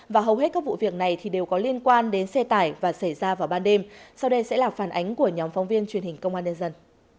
và hầu hết các vụ việc này thì đều có liên quan đến xe tải và xảy ra vào ban đêm sau đây sẽ là phản ánh của nhóm phóng viên truyền hình công an nhân dân